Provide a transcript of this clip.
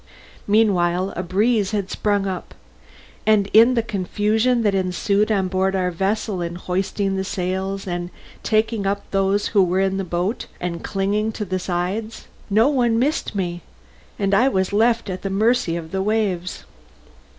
Meanwhile a breeze had sprung up, and in the confusion that ensued on board our vessel in hoisting the sails and taking up those who were in the boat and clinging to its sides, no one missed me and I was left at the mercy of the waves.